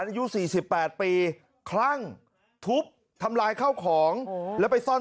อายุสี่สิบแปดปีคลั่งทุบทำลายเข้าของโหแล้วไปซ่อน